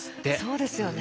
そうですよね。